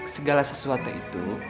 segala sesuatu itu